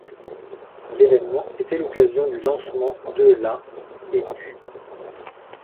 L'événement était l'occasion du lancement de la ' et du '.